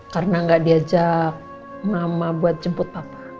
karena gak diajak mama buat jemput papa